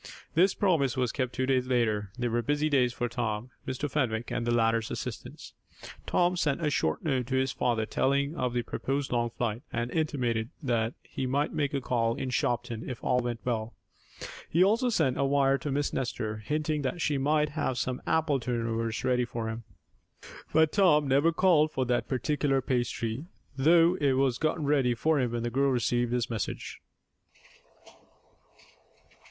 This promise was kept two days later. They were busy days for Tom, Mr. Fenwick and the latter's assistants. Tom sent a short note to his father telling of the proposed long flight, and intimated that he might make a call in Shopton if all went well. He also sent a wire to Miss Nestor, hinting that she might have some apple turnovers ready for him. But Tom never called for that particular pastry, though it was gotten ready for him when the girl received his message.